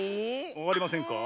わかりませんか？